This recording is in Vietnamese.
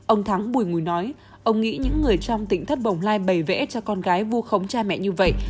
ông thắng bùi ngùi nói ông nghĩ những người trong tỉnh thất bồng lai bày vẽ cho con gái vu khống cha mẹ như vậy